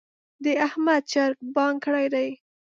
د احمد چرګ بانګ کړی دی.